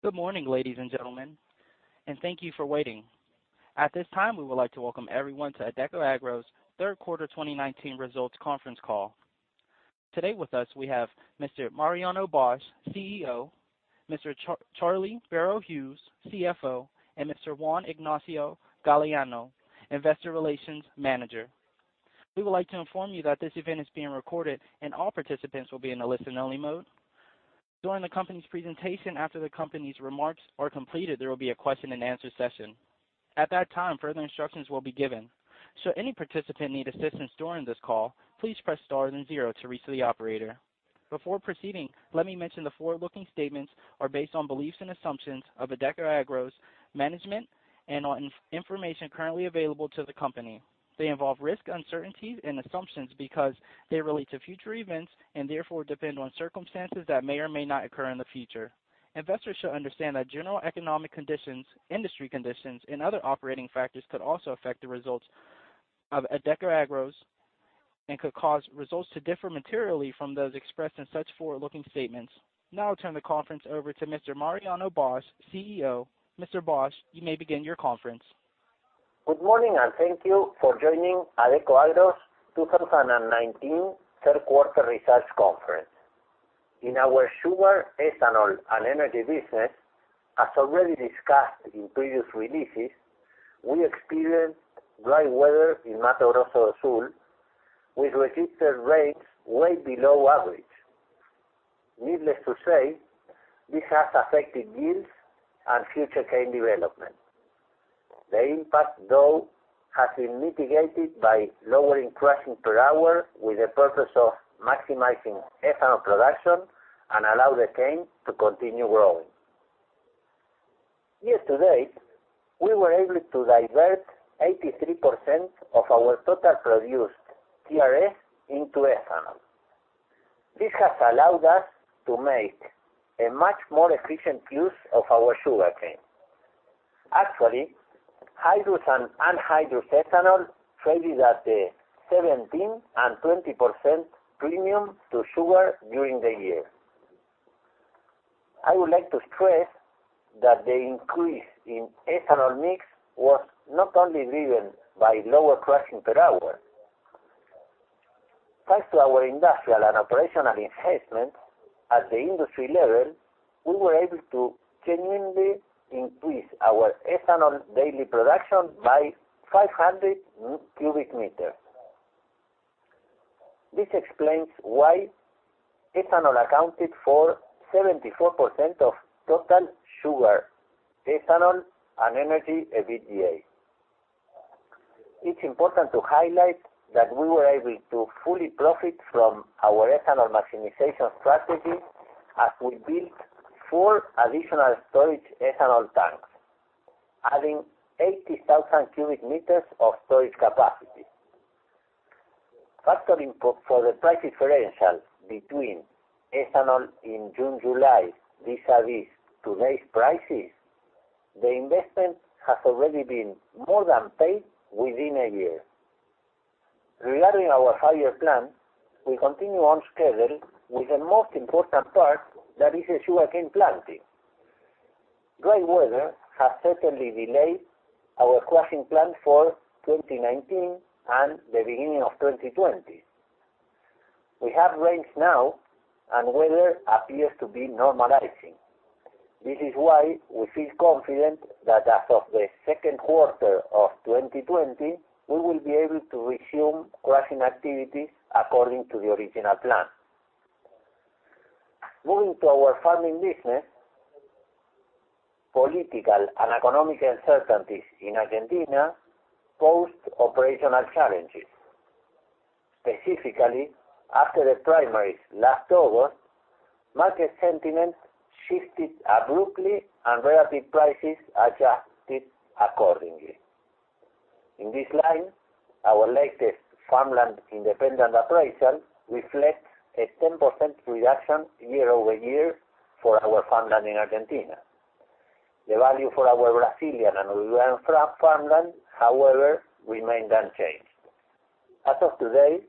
Good morning, ladies and gentlemen, and thank you for waiting. At this time, we would like to welcome everyone to Adecoagro's third quarter 2019 results conference call. Today with us, we have Mr. Mariano Bosch, CEO, Mr. Charlie Boero Hughes, CFO, and Mr. Juan Ignacio Galleano, Investor Relations Manager. We would like to inform you that this event is being recorded and all participants will be in a listen-only mode. During the company's presentation, after the company's remarks are completed, there will be a question and answer session. At that time, further instructions will be given. Should any participant need assistance during this call, please press star and zero to reach the operator. Before proceeding, let me mention the forward-looking statements are based on beliefs and assumptions of Adecoagro's management and on information currently available to the company. They involve risk, uncertainties, and assumptions because they relate to future events and therefore depend on circumstances that may or may not occur in the future. Investors should understand that general economic conditions, industry conditions, and other operating factors could also affect the results of Adecoagro and could cause results to differ materially from those expressed in such forward-looking statements. Now I'll turn the conference over to Mr. Mariano Bosch, CEO. Mr. Bosch, you may begin your conference. Good morning, and thank you for joining Adecoagro's 2019 third quarter results conference. In our sugar, ethanol, and energy business, as already discussed in previous releases, we experienced dry weather in Mato Grosso do Sul, with registered rains way below average. Needless to say, this has affected yields and future cane development. The impact, though, has been mitigated by lowering crushing per hour with the purpose of maximizing ethanol production and allow the cane to continue growing. Year to date, we were able to divert 83% of our total produced TRS into ethanol. This has allowed us to make a much more efficient use of our sugarcane. Actually, hydrous and anhydrous ethanol traded at a 17% and 20% premium to sugar during the year. I would like to stress that the increase in ethanol mix was not only driven by lower crushing per hour. Thanks to our industrial and operational enhancements at the industry level, we were able to genuinely increase our ethanol daily production by 500 cubic meters. This explains why ethanol accounted for 74% of total sugar, ethanol, and energy EBITDA. It is important to highlight that we were able to fully profit from our ethanol maximization strategy as we built four additional storage ethanol tanks, adding 80,000 cubic meters of storage capacity. Factoring for the price differential between ethanol in June/July vis-à-vis today's prices, the investment has already been more than paid within a year. Regarding our five-year plan, we continue on schedule with the most important part that is sugarcane planting. Great weather has certainly delayed our crushing plan for 2019 and the beginning of 2020. We have rains now and weather appears to be normalizing. This is why we feel confident that as of the second quarter of 2020, we will be able to resume crushing activities according to the original plan. Moving to our farming business, political and economic uncertainties in Argentina posed operational challenges. Specifically, after the primaries last August, market sentiment shifted abruptly and relative prices adjusted accordingly. In this line, our latest farmland independent appraisal reflects a 10% reduction year-over-year for our farmland in Argentina. The value for our Brazilian and Uruguayan farmland, however, remained unchanged. As of today,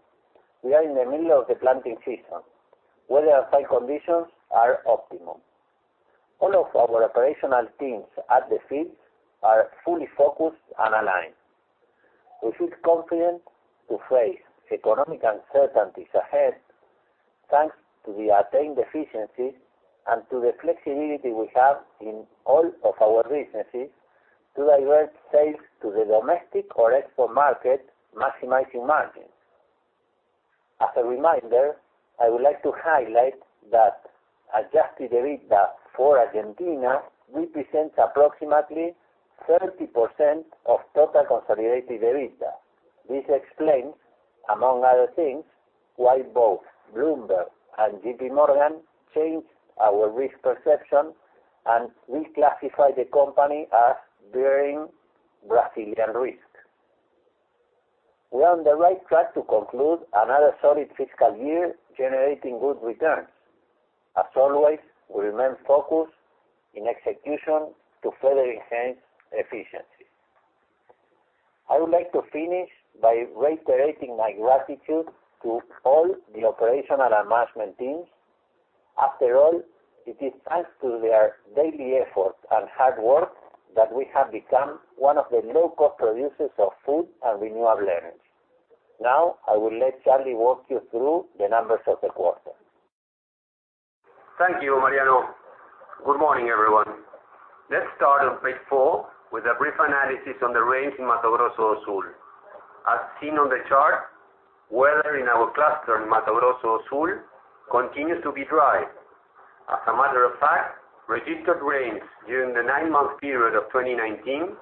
we are in the middle of the planting season. Weather and soil conditions are optimum. All of our operational teams at the fields are fully focused and aligned. We feel confident to face economic uncertainties ahead, thanks to the attained efficiencies and to the flexibility we have in all of our businesses to divert sales to the domestic or export market, maximizing margins. As a reminder, I would like to highlight that adjusted EBITDA for Argentina represents approximately 30% of total consolidated EBITDA. This explains, among other things, why both Bloomberg and JPMorgan changed our risk perception and reclassified the company as bearing Brazilian risk. We are on the right track to conclude another solid fiscal year generating good returns. As always, we remain focused in execution to further enhance efficiency. I would like to finish by reiterating my gratitude to all the operational and management teams. After all, it is thanks to their daily effort and hard work that we have become one of the low-cost producers of food and renewable energy. Now, I will let Charlie walk you through the numbers of the quarter. Thank you, Mariano. Good morning, everyone. Let's start on page four with a brief analysis on the rains in Mato Grosso do Sul. As seen on the chart, weather in our cluster in Mato Grosso do Sul continues to be dry. As a matter of fact, registered rains during the nine-month period of 2019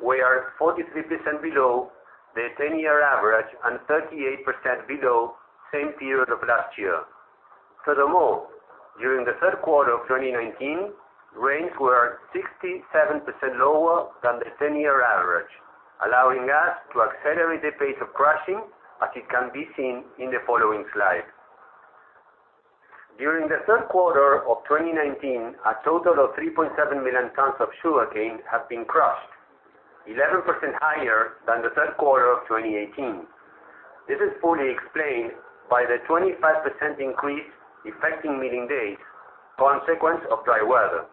were 43% below the 10-year average and 38% below same period of last year. Furthermore, during the third quarter of 2019, rains were 67% lower than the 10-year average, allowing us to accelerate the pace of crushing, as it can be seen in the following slide. During the third quarter of 2019, a total of 3.7 million tons of sugarcane have been crushed, 11% higher than the third quarter of 2018. This is fully explained by the 25% increase affecting milling days, consequence of dry weather.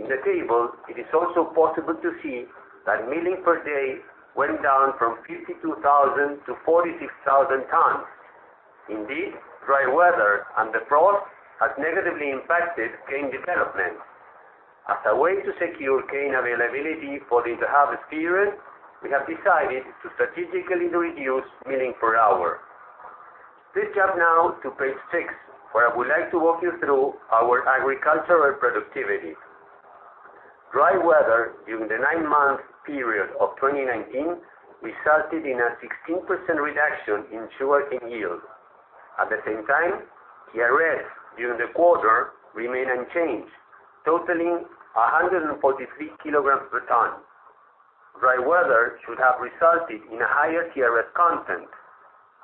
In the table, it is also possible to see that milling per day went down from 52,000 to 46,000 tons. Indeed, dry weather and the frost has negatively impacted cane development. As a way to secure cane availability for the inter-harvest period, we have decided to strategically reduce milling per hour. Please jump now to page six, where I would like to walk you through our agricultural productivity. Dry weather during the nine-month period of 2019 resulted in a 16% reduction in sugarcane yield. At the same time, TRS during the quarter remained unchanged, totaling 143 kilograms per ton. Dry weather should have resulted in a higher TRS content.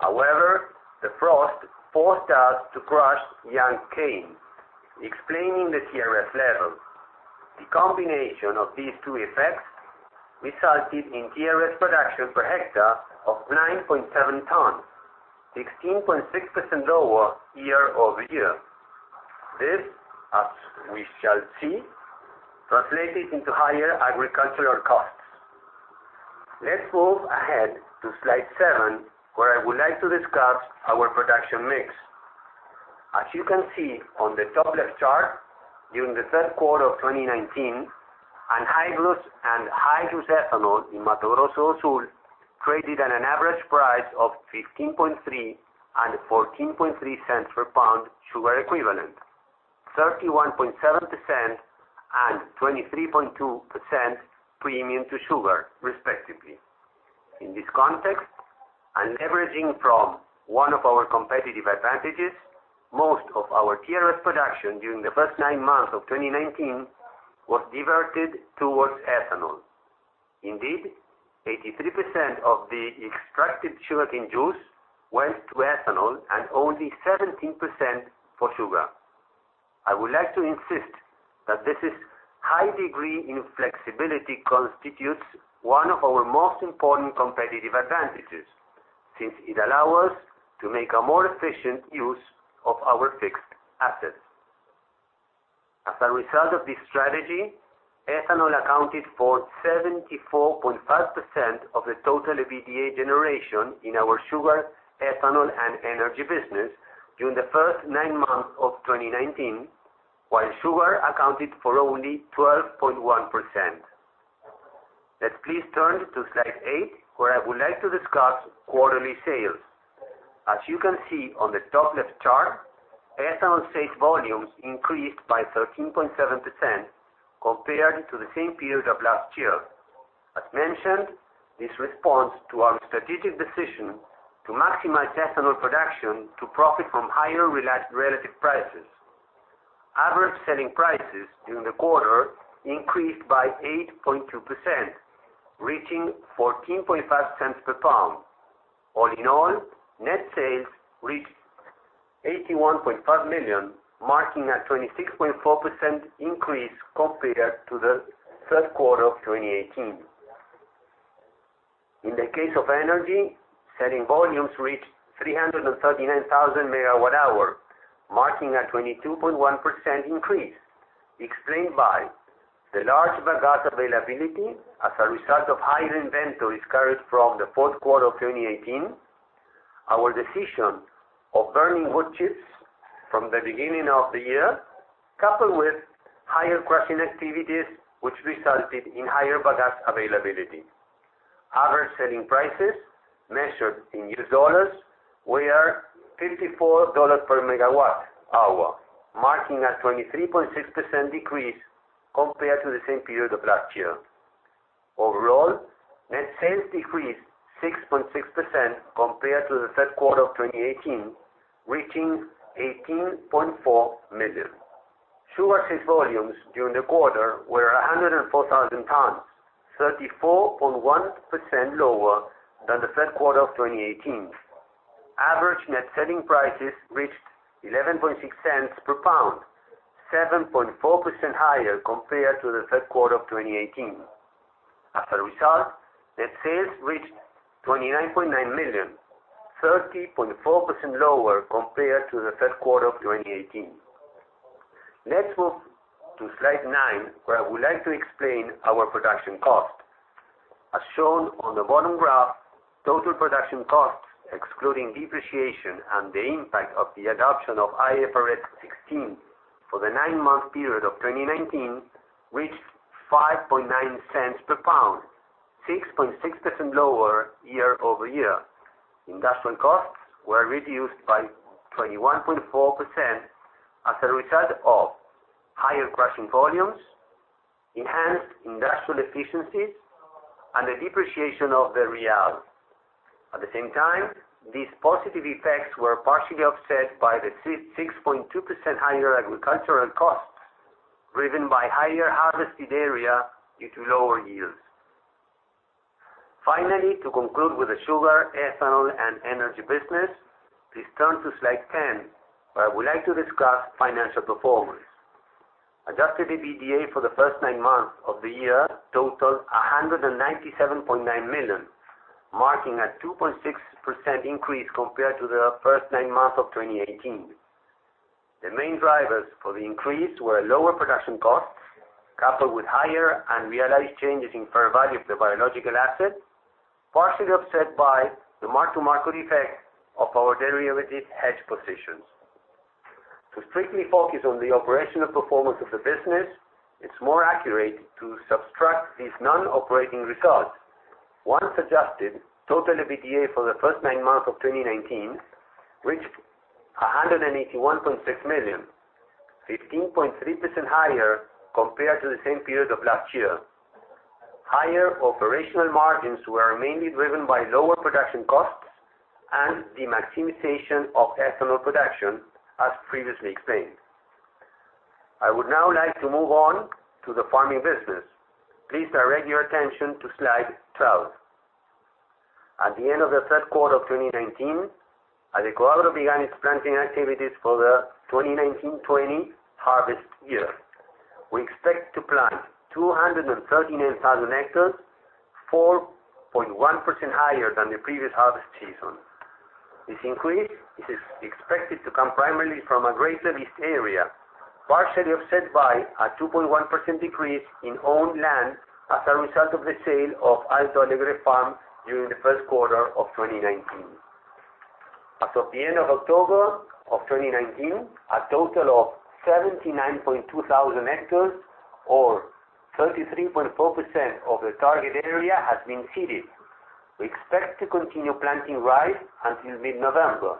The frost forced us to crush young cane, explaining the TRS level. The combination of these two effects resulted in TRS production per hectare of 9.7 tons, 16.6% lower year-over-year. This, as we shall see, translated into higher agricultural costs. Let's move ahead to slide seven, where I would like to discuss our production mix. As you can see on the top left chart, during the third quarter of 2019, hydrous and anhydrous ethanol in Mato Grosso do Sul traded at an average price of $0.153 and $0.143 per pound sugar equivalent, 31.7% and 23.2% premium to sugar, respectively. In this context, and leveraging from one of our competitive advantages, most of our TRS production during the first nine months of 2019 was diverted towards ethanol. Indeed, 83% of the extracted sugarcane juice went to ethanol and only 17% for sugar. I would like to insist that this high degree in flexibility constitutes one of our most important competitive advantages, since it allows us to make a more efficient use of our fixed assets. As a result of this strategy, ethanol accounted for 74.5% of the total EBITDA generation in our sugar, ethanol, and energy business during the first nine months of 2019, while sugar accounted for only 12.1%. Let's please turn to slide eight, where I would like to discuss quarterly sales. As you can see on the top left chart, ethanol sales volumes increased by 13.7% compared to the same period of last year. As mentioned, this responds to our strategic decision to maximize ethanol production to profit from higher relative prices. Average selling prices during the quarter increased by 8.2%, reaching $0.145 per pound. All in all, net sales reached $81.5 million, marking a 26.4% increase compared to the third quarter of 2018. In the case of energy, selling volumes reached 339,000 megawatt hour, marking a 22.1% increase explained by the large bagasse availability as a result of higher inventories carried from the fourth quarter of 2018. Our decision of burning wood chips from the beginning of the year, coupled with higher crushing activities, which resulted in higher bagasse availability. Average selling prices measured in US dollars were $54 per megawatt hour, marking a 23.6% decrease compared to the same period of last year. Overall, net sales decreased 6.6% compared to the third quarter of 2018, reaching $18.4 million. Sugar sales volumes during the quarter were 104,000 tons, 34.1% lower than the third quarter of 2018. Average net selling prices reached $0.116 per pound, 7.4% higher compared to the third quarter of 2018. Net sales reached $29.9 million, 30.4% lower compared to the third quarter of 2018. Let's move to slide nine, where I would like to explain our production cost. As shown on the bottom graph, total production costs, excluding depreciation and the impact of the adoption of IFRS 16 for the nine-month period of 2019, reached $0.059 per pound, 6.6% lower year-over-year. Industrial costs were reduced by 21.4% as a result of higher crushing volumes, enhanced industrial efficiencies, and the depreciation of the real. These positive effects were partially offset by the 6.2% higher agricultural costs, driven by higher harvested area due to lower yields. Finally, to conclude with the Sugar, Ethanol and Energy Business, please turn to slide 10, where I would like to discuss financial performance. Adjusted EBITDA for the first nine months of the year totaled $197.9 million, marking a 2.6% increase compared to the first nine months of 2018. The main drivers for the increase were lower production costs, coupled with higher unrealized changes in fair value of the biological assets, partially offset by the mark-to-market effect of our derivative hedge positions. To strictly focus on the operational performance of the business, it's more accurate to subtract these non-operating results. Once adjusted, total EBITDA for the first nine months of 2019 reached USD 181.6 million, 15.3% higher compared to the same period of last year. Higher operational margins were mainly driven by lower production costs and the maximization of ethanol production, as previously explained. I would now like to move on to the farming business. Please direct your attention to slide 12. At the end of the third quarter of 2019, Adecoagro began its planting activities for the 2019-20 harvest year. We expect to plant 239,000 hectares, 4.1% higher than the previous harvest season. This increase is expected to come primarily from a greater leased area, partially offset by a 2.1% decrease in owned land as a result of the sale of Alto Alegre Farm during the first quarter of 2019. As of the end of October of 2019, a total of 79,200 hectares or 33.4% of the target area has been seeded. We expect to continue planting rice until mid-November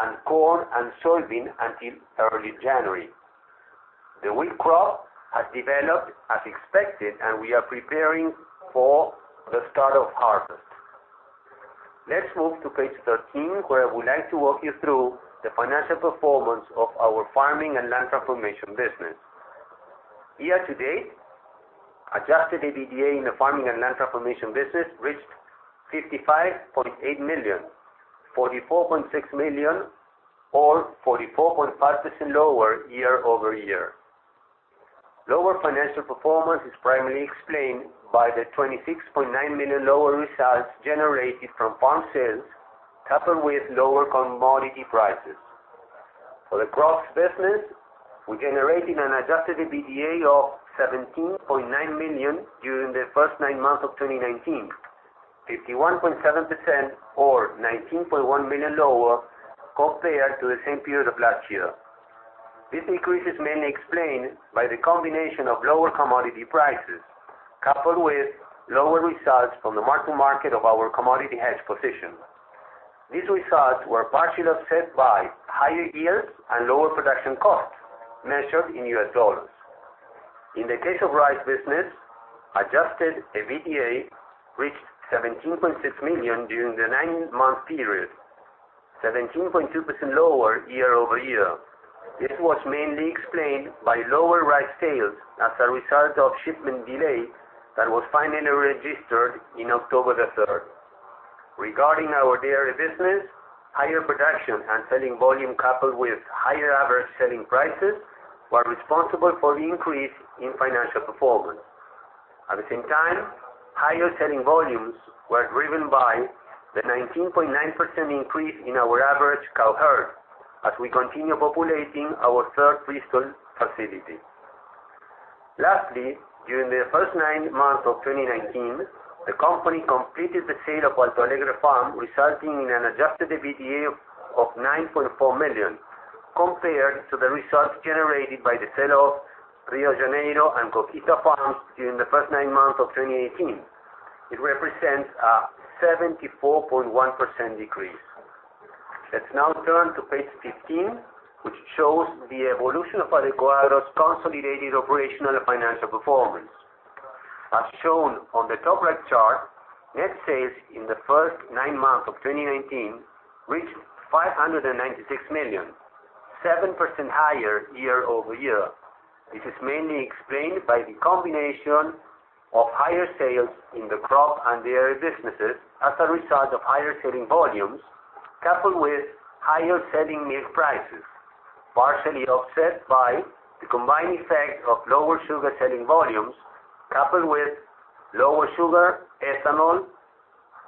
and corn and soybean until early January. The wheat crop has developed as expected, and we are preparing for the start of harvest. Let's move to page 13, where I would like to walk you through the financial performance of our farming and land transformation business. Year to date, adjusted EBITDA in the farming and land transformation business reached $55.8 million, $44.6 million or 44.5% lower year-over-year. Lower financial performance is primarily explained by the $26.9 million lower results generated from farm sales, coupled with lower commodity prices. For the crops business, we generated an adjusted EBITDA of $17.9 million during the first nine months of 2019, 51.7% or $19.1 million lower compared to the same period of last year. This decrease is mainly explained by the combination of lower commodity prices coupled with lower results from the mark-to-market of our commodity hedge position. These results were partially offset by higher yields and lower production costs measured in U.S. dollars. In the case of rice business, adjusted EBITDA reached $17.6 million during the nine-month period, 17.2% lower year-over-year. This was mainly explained by lower rice sales as a result of shipment delay that was finally registered in October the 3rd. Regarding our dairy business, higher production and selling volume coupled with higher average selling prices were responsible for the increase in financial performance. At the same time, higher selling volumes were driven by the 19.9% increase in our average cow herd as we continue populating our third Bristol facility. Lastly, during the first nine months of 2019, the company completed the sale of Alto Alegre Farm, resulting in an adjusted EBITDA of $9.4 million compared to the results generated by the sale of Rio de Janeiro and Conquista Farms during the first nine months of 2018. It represents a 74.1% decrease. Let's now turn to page 15, which shows the evolution of Adecoagro's consolidated operational and financial performance. As shown on the top right chart, net sales in the first nine months of 2019 reached $596 million, 7% higher year-over-year. This is mainly explained by the combination of higher sales in the crop and dairy businesses as a result of higher selling volumes, coupled with higher selling milk prices, partially offset by the combined effect of lower sugar selling volumes coupled with lower sugar, ethanol,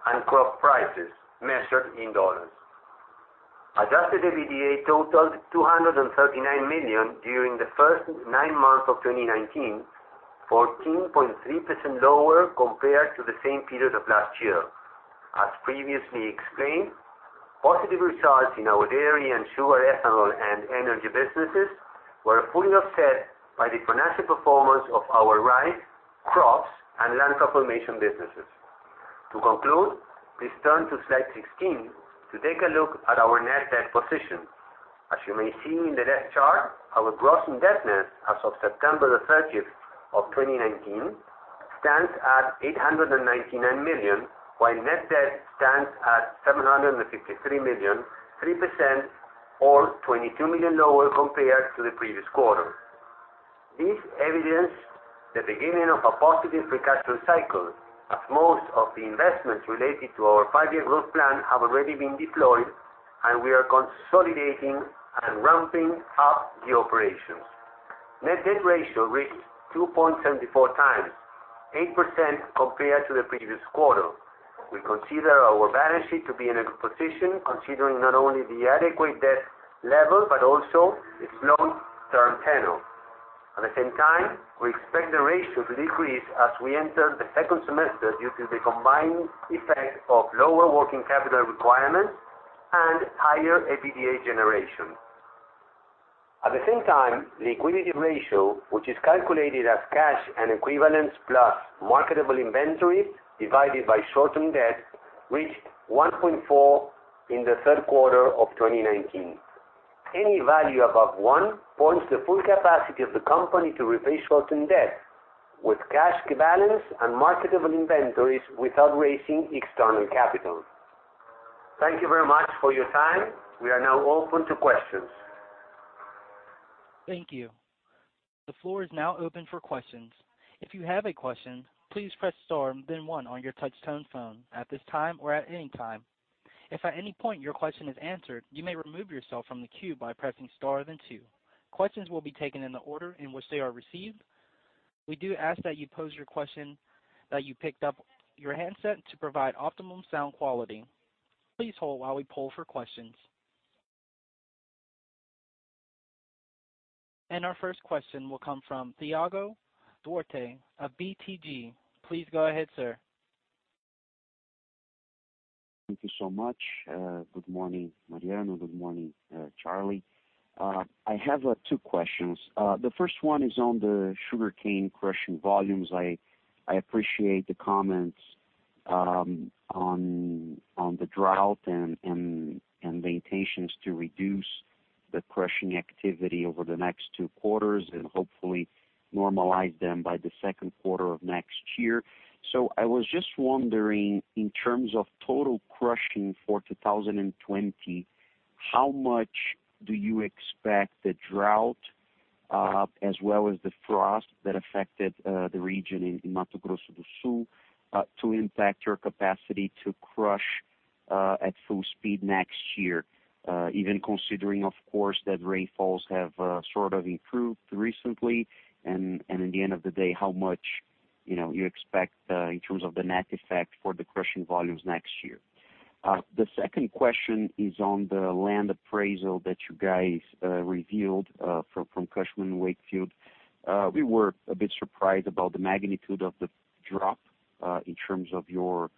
and crop prices measured in dollars. Adjusted EBITDA totaled $239 million during the first nine months of 2019, 14.3% lower compared to the same period of last year. As previously explained, positive results in our dairy and sugar, ethanol, and energy businesses were fully offset by the financial performance of our rice, crops, and Land Transformation businesses. To conclude, please turn to slide 16 to take a look at our net debt position. As you may see in the left chart, our gross indebtedness as of September the 30th of 2019 stands at $899 million, while net debt stands at $753 million, 3% or $22 million lower compared to the previous quarter. This evidence the beginning of a positive free cash flow cycle, as most of the investments related to our five-year growth plan have already been deployed, and we are consolidating and ramping up the operations. Net debt ratio reached 2.74 times, 8% compared to the previous quarter. We consider our balance sheet to be in a good position, considering not only the adequate debt level but also its long-term tenor. At the same time, we expect the ratio to decrease as we enter the second semester due to the combined effect of lower working capital requirements and higher EBITDA generation. At the same time, the liquidity ratio, which is calculated as cash and equivalents plus marketable inventory divided by short-term debt, reached 1.4 in the third quarter of 2019. Any value above one points the full capacity of the company to repay short-term debt with cash balance and marketable inventories without raising external capital. Thank you very much for your time. We are now open to questions. Thank you. The floor is now open for questions. If you have a question, please press star then one on your touch-tone phone at this time or at any time. If at any point your question is answered, you may remove yourself from the queue by pressing star then two. Questions will be taken in the order in which they are received. We do ask that you pick up your handset to provide optimum sound quality. Please hold while we poll for questions. Our first question will come from Thiago Duarte of BTG. Please go ahead, sir. Thank you so much. Good morning, Mariano. Good morning, Charlie. I have two questions. The first one is on the sugarcane crushing volumes. I appreciate the comments on the drought and the intentions to reduce the crushing activity over the next two quarters and hopefully normalize them by the second quarter of next year. I was just wondering, in terms of total crushing for 2020, how much do you expect the drought, as well as the frost that affected the region in Mato Grosso do Sul, to impact your capacity to crush at full speed next year? Even considering, of course, that rainfalls have sort of improved recently. At the end of the day, how much you expect in terms of the net effect for the crushing volumes next year? The second question is on the land appraisal that you guys revealed from Cushman & Wakefield. We were a bit surprised about the magnitude of the drop in terms of your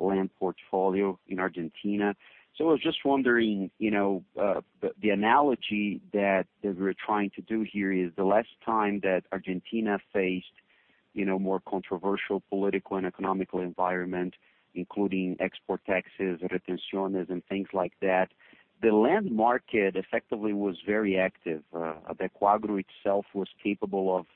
land portfolio in Argentina. I was just wondering, the analogy that we're trying to do here is the last time that Argentina faced more controversial political and economic environment, including export taxes, retenciones, and things like that, the land market effectively was very active. Adecoagro itself was capable of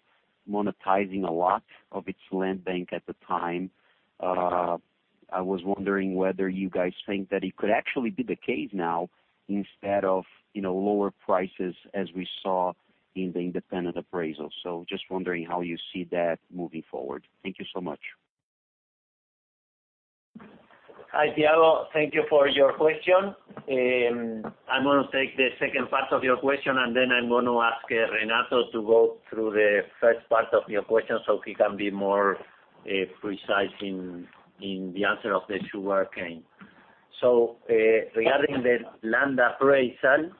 monetizing a lot of its land bank at the time. I was wondering whether you guys think that it could actually be the case now instead of lower prices as we saw in the independent appraisal. Just wondering how you see that moving forward. Thank you so much. Hi, Thiago. Thank you for your question. I'm going to take the second part of your question, and then I'm going to ask Renato to go through the first part of your question so he can be more precise in the answer of the sugarcane. Regarding the land appraisal,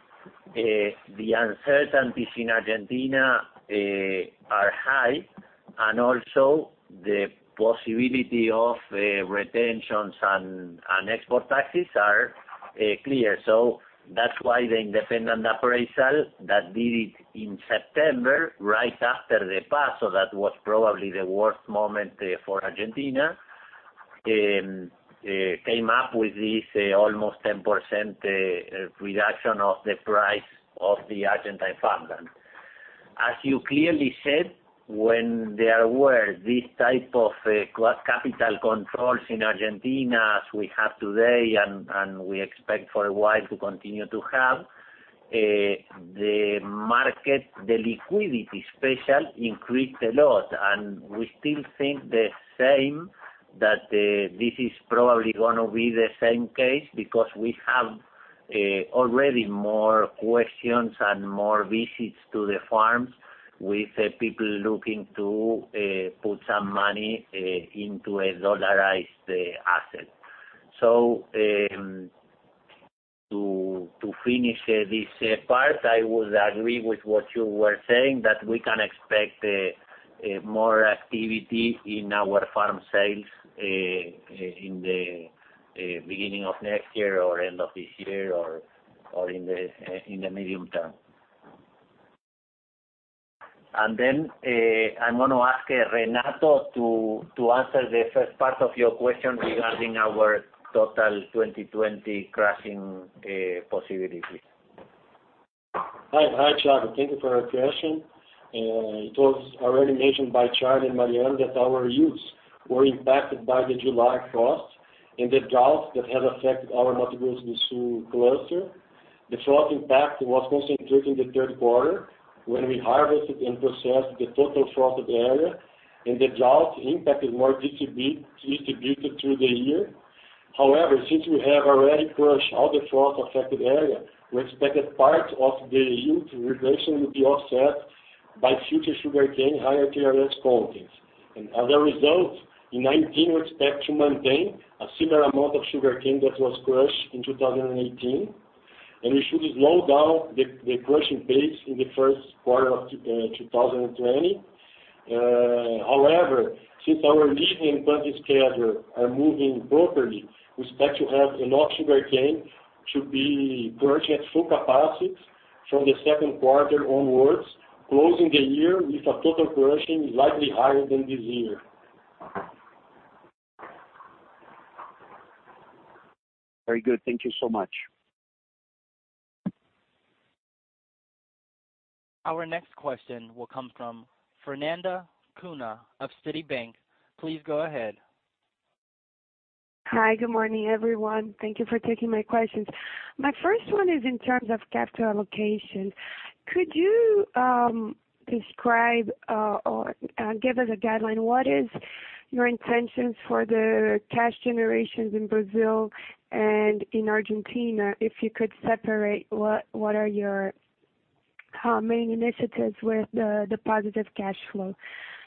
the uncertainties in Argentina are high, and also the possibility of retenciones and export taxes are clear. That's why the independent appraisal that did it in September, right after the PASO, that was probably the worst moment for Argentina, came up with this almost 10% reduction of the price of the Argentine farmland. As you clearly said, when there were these type of capital controls in Argentina as we have today, and we expect for a while to continue to have, the market, the liquidity special increased a lot. We still think the same, that this is probably going to be the same case, because we have already more questions and more visits to the farms with people looking to put some money into a dollarized asset. To finish this part, I would agree with what you were saying, that we can expect more activity in our farm sales in the beginning of next year or end of this year or in the medium term. I'm going to ask Renato to answer the first part of your question regarding our total 2020 crushing possibility. Hi, Thiago. Thank you for your question. It was already mentioned by Charlie and Mariano that our yields were impacted by the July frost and the drought that has affected our Mato Grosso do Sul cluster. The frost impact was concentrated in the third quarter when we harvested and processed the total frosted area, and the drought impact is more distributed through the year. However, since we have already crushed all the frost-affected area, we expect that part of the yield regression will be offset by future sugarcane higher TRS contents. As a result, in 2019, we expect to maintain a similar amount of sugarcane that was crushed in 2018, and we should slow down the crushing pace in the first quarter of 2020. Since our milling and planting schedule are moving properly, we expect to have enough sugarcane to be crushing at full capacity from the second quarter onwards, closing the year with a total crushing slightly higher than this year. Very good. Thank you so much. Our next question will come from Fernanda Cunha of Citibank. Please go ahead. Hi. Good morning, everyone. Thank you for taking my questions. My first one is in terms of capital allocation. Could you describe or give us a guideline, what is your intentions for the cash generations in Brazil and in Argentina? If you could separate, what are your main initiatives with the positive cash flow?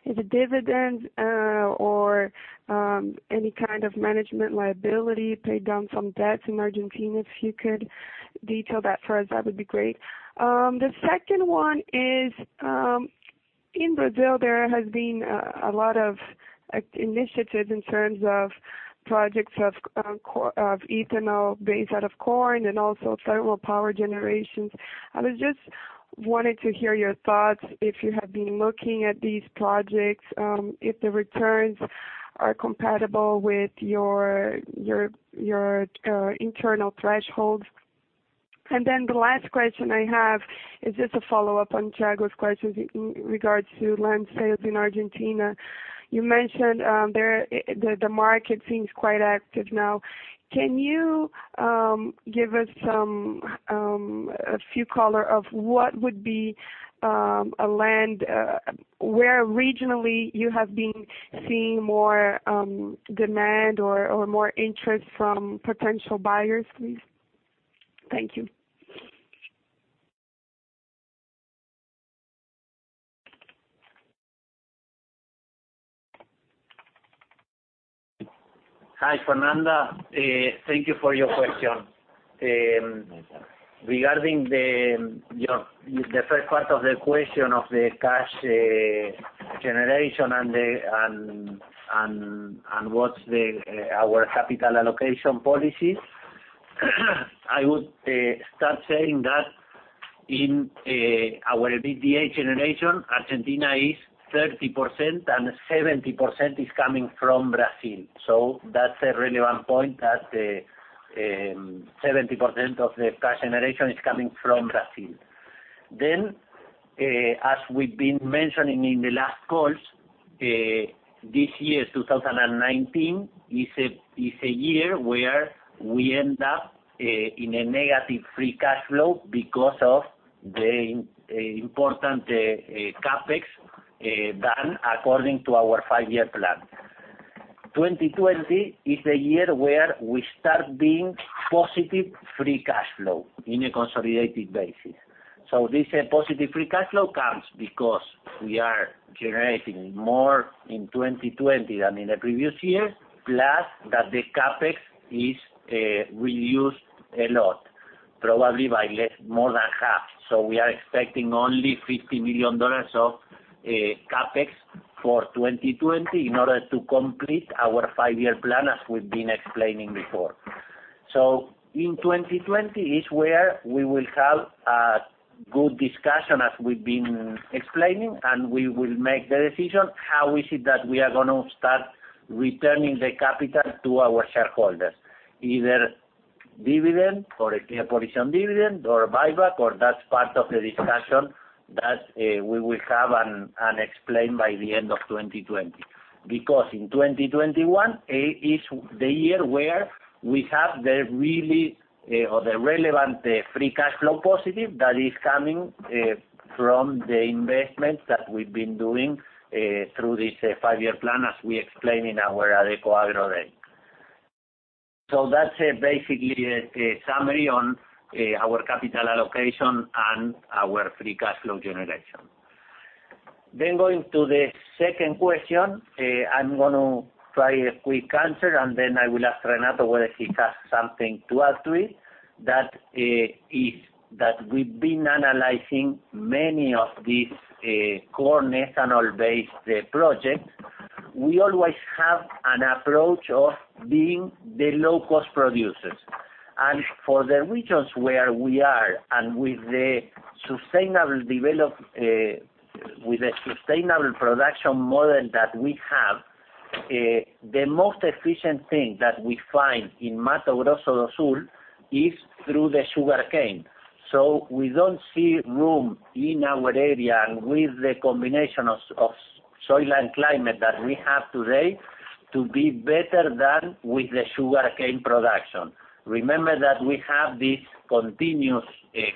Is it dividends, or any kind of management liability, pay down some debts in Argentina? If you could detail that for us, that would be great. The second one is, in Brazil, there has been a lot of initiatives in terms of projects of ethanol based out of corn and also thermal power generations. I just wanted to hear your thoughts, if you have been looking at these projects, if the returns are compatible with your internal thresholds. The last question I have is just a follow-up on Thiago's questions in regards to land sales in Argentina. You mentioned the market seems quite active now. Can you give us a few color of what would be a land, where regionally you have been seeing more demand or more interest from potential buyers, please? Thank you. Hi, Fernanda. Thank you for your question. Regarding the first part of the question of the cash generation and what's our capital allocation policies, I would start saying that in our EBITDA generation, Argentina is 30% and 70% is coming from Brazil. That's a relevant point, that 70% of the cash generation is coming from Brazil. As we've been mentioning in the last calls, this year, 2019, is a year where we end up in a negative free cash flow because of the important CapEx done according to our five-year plan. 2020 is the year where we start being positive free cash flow in a consolidated basis. This positive free cash flow comes because we are generating more in 2020 than in the previous years, plus that the CapEx is reduced a lot, probably by more than half. We are expecting only $50 million of CapEx for 2020 in order to complete our five-year plan as we've been explaining before. In 2020 is where we will have a good discussion, as we've been explaining, and we will make the decision how is it that we are going to start returning the capital to our shareholders. Either dividend or a clear position dividend or buyback, or that's part of the discussion that we will have and explain by the end of 2020. In 2021 is the year where we have the relevant free cash flow positive that is coming from the investments that we've been doing through this five-year plan, as we explained in our Adecoagro day. That's basically a summary on our capital allocation and our free cash flow generation. Going to the second question, I'm going to try a quick answer, and then I will ask Renato whether he has something to add to it. That is that we've been analyzing many of these corn ethanol-based projects. We always have an approach of being the low-cost producers. For the regions where we are, and with the sustainable production model that we have, the most efficient thing that we find in Mato Grosso do Sul is through the sugarcane. We don't see room in our area and with the combination of soil and climate that we have today, to be better than with the sugarcane production. Remember that we have this continuous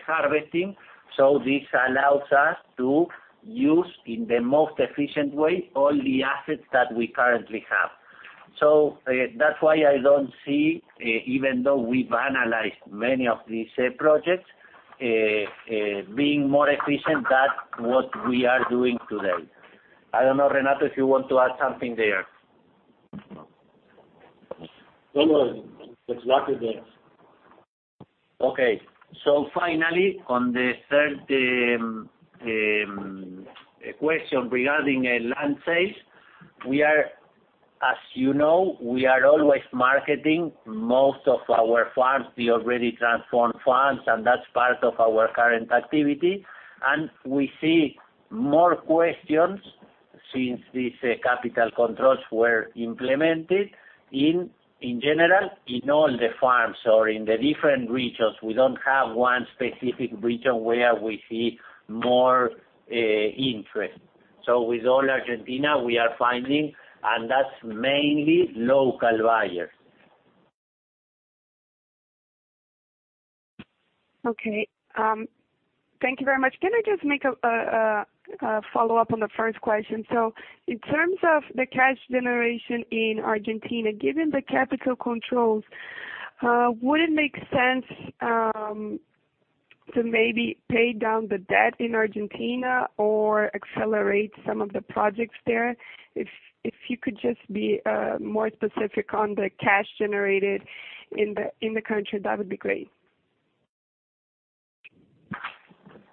harvesting, so this allows us to use, in the most efficient way, all the assets that we currently have. That's why I don't see, even though we've analyzed many of these projects, being more efficient than what we are doing today. I don't know, Renato, if you want to add something there. No. It's exactly this. Okay. Finally, on the third question regarding land sales. As you know, we are always marketing most of our farms. We already transformed farms, and that's part of our current activity. We see more questions since these capital controls were implemented in general, in all the farms or in the different regions. We don't have one specific region where we see more interest. With all Argentina, we are finding, and that's mainly local buyers. Okay. Thank you very much. Can I just make a follow-up on the first question? In terms of the cash generation in Argentina, given the capital controls, would it make sense to maybe pay down the debt in Argentina or accelerate some of the projects there? If you could just be more specific on the cash generated in the country, that would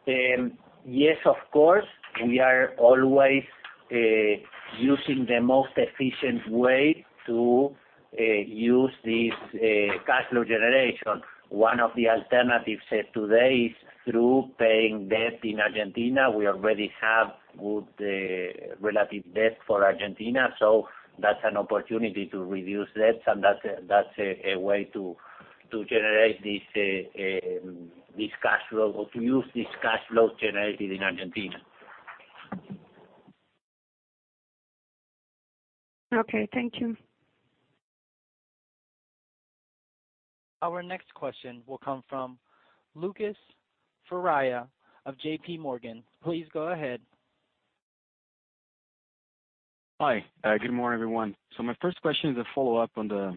be great. Yes, of course. We are always using the most efficient way to use this cash flow generation. One of the alternatives today is through paying debt in Argentina. We already have good relative debt for Argentina, so that's an opportunity to reduce debts, and that's a way to generate this cash flow or to use this cash flow generated in Argentina. Okay. Thank you. Our next question will come from Lucas Ferreira of JP Morgan. Please go ahead. Hi. Good morning, everyone. My first question is a follow-up on the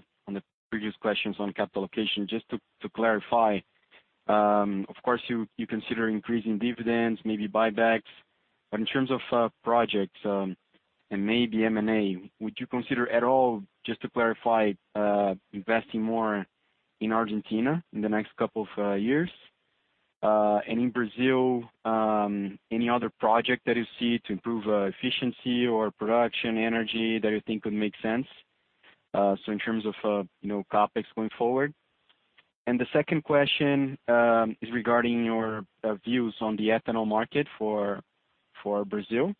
previous questions on capital allocation. Just to clarify, of course, you consider increasing dividends, maybe buybacks. In terms of projects and maybe M&A, would you consider at all, just to clarify, investing more in Argentina in the next couple of years? In Brazil, any other project that you see to improve efficiency or production energy that you think would make sense in terms of CapEx going forward? The second question is regarding your views on the ethanol market for Brazil.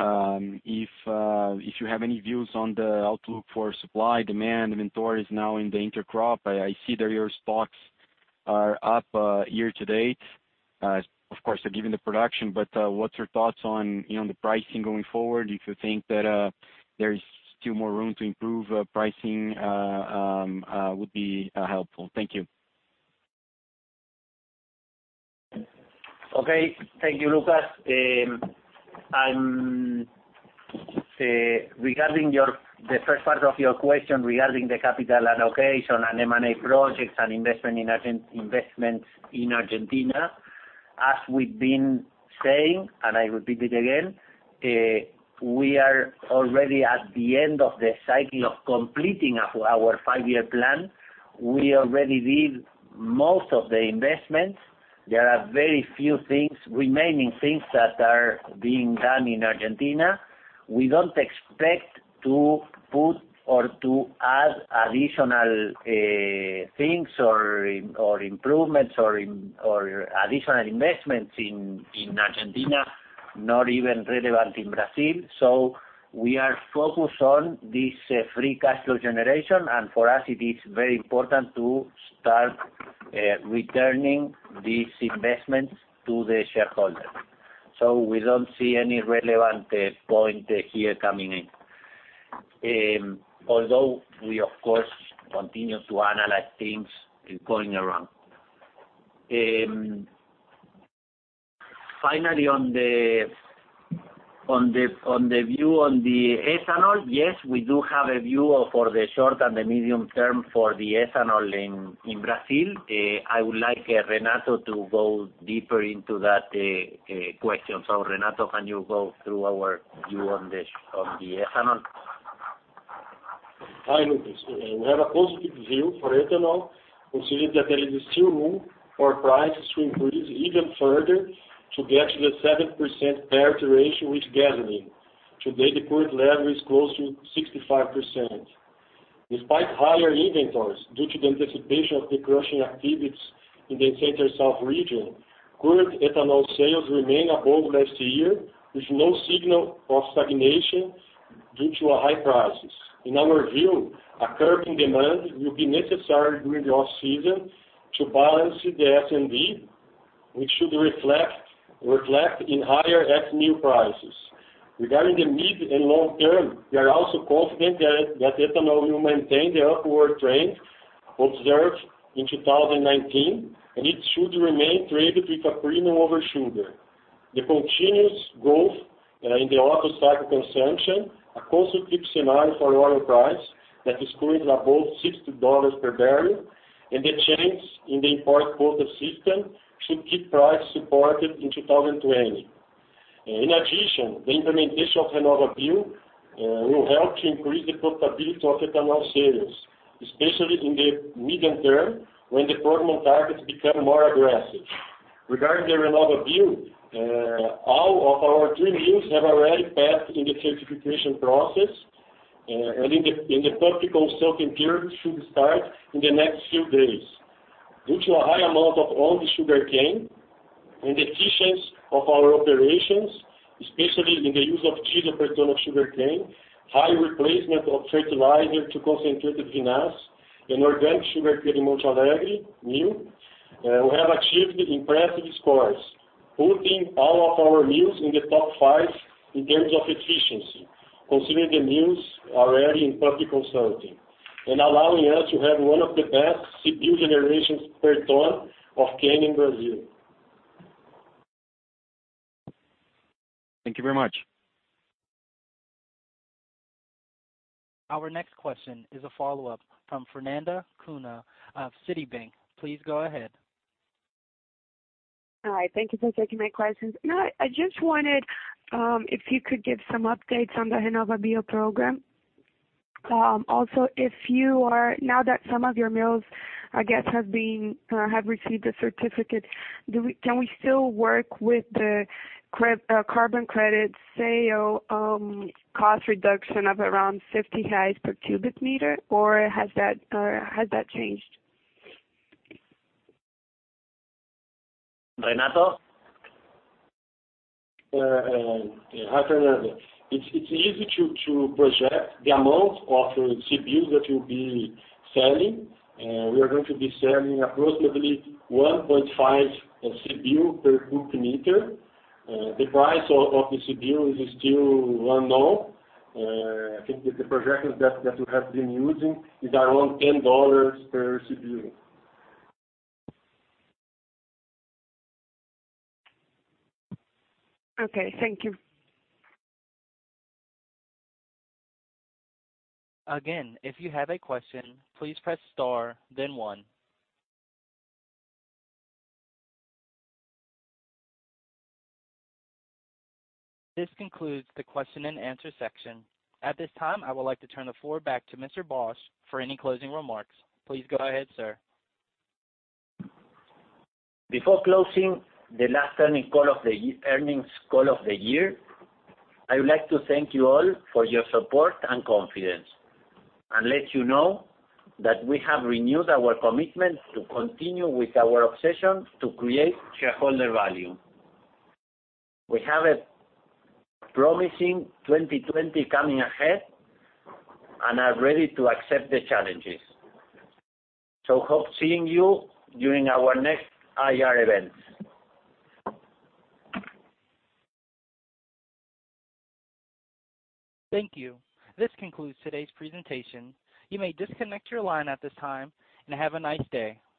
If you have any views on the outlook for supply, demand, inventories now in the intercrop. I see that your stocks are up year-to-date. Of course, given the production, but what's your thoughts on the pricing going forward? If you think that there's still more room to improve pricing would be helpful. Thank you. Okay. Thank you, Lucas. Regarding the first part of your question regarding the capital allocation and M&A projects and investments in Argentina, as we've been saying, and I repeat it again, we are already at the end of the cycle of completing our five-year plan. We already did most of the investments. There are very few remaining things that are being done in Argentina. We don't expect to put or to add additional things or improvements or additional investments in Argentina. Not even relevant in Brazil. We are focused on this free cash flow generation, and for us it is very important to start returning these investments to the shareholders. We don't see any relevant point here coming in. Although we, of course, continue to analyze things going around. Finally, on the view on the ethanol, yes, we do have a view for the short and the medium term for the ethanol in Brazil. I would like Renato to go deeper into that question. Renato, can you go through our view on the ethanol? Hi, Lucas. We have a positive view for ethanol, considering that there is still room for prices to increase even further to get to the 7% parity ratio with gasoline. Today, the current level is close to 65%. Despite higher inventories due to the anticipation of the crushing activities in the Center South region, current ethanol sales remain above last year, with no signal of stagnation due to high prices. In our view, a curb in demand will be necessary during the off-season to balance the S&D, which should reflect in higher FNE prices. Regarding the mid and long term, we are also confident that ethanol will maintain the upward trend observed in 2019, and it should remain traded with a premium over sugar. The continuous growth in the Otto cycle consumption, a conservative scenario for oil price that is quoted above $60 per barrel, and the changes in the import quota system should keep prices supported in 2020. In addition, the implementation of RenovaBio will help to increase the profitability of ethanol sales, especially in the medium term when deployment targets become more aggressive. Regarding the RenovaBio, all of our three mills have already passed in the certification process, and the public consulting period should start in the next few days. Due to a high amount of owned sugarcane and the efficiency of our operations, especially in the use of CHP per ton of sugarcane, high replacement of fertilizer to concentrated vinasse, and organic sugar here in Monte Alegre mill, we have achieved impressive scores, putting all of our mills in the top five in terms of efficiency, considering the mills already in public consulting and allowing us to have one of the best CBIO generations per ton of cane in Brazil. Thank you very much. Our next question is a follow-up from Fernanda Cunha of Citibank. Please go ahead. Hi. Thank you for taking my questions. I just wondered if you could give some updates on the RenovaBio program. Now that some of your mills, I guess, have received the certificate, can we still work with the carbon credit sale cost reduction of around 50 per cubic meter, or has that changed? Renato? Hi, Fernanda. It's easy to project the amount of CBIOs that we'll be selling. We are going to be selling approximately 1.5 CBIO per cubic meter. The price of the CBIO is still unknown. I think that the projections that we have been using is around $10 per CBIO. Okay. Thank you. Again, if you have a question, please press star then one. This concludes the question and answer section. At this time, I would like to turn the floor back to Mr. Bosch for any closing remarks. Please go ahead, sir. Before closing the last earnings call of the year, I would like to thank you all for your support and confidence, and let you know that we have renewed our commitment to continue with our obsession to create shareholder value. We have a promising 2020 coming ahead and are ready to accept the challenges. Hope seeing you during our next IR events. Thank you. This concludes today's presentation. You may disconnect your line at this time, and have a nice day.